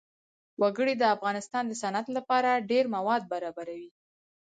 وګړي د افغانستان د صنعت لپاره ډېر مواد برابروي.